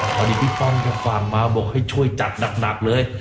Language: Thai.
พี่ฟ้อนแกฝากมาบอกให้ช่วยจัดหนักเลย